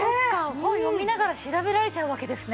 本読みながら調べられちゃうわけですね。